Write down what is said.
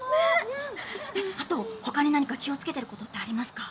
あと他に何か気を付けてることってありますか？